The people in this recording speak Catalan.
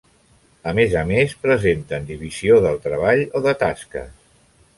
A més a més, presenten divisió del treball o de tasques.